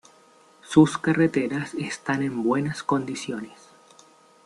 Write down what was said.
Sus carreteras están en buenas condiciones.